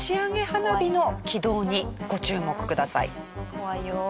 怖いよ。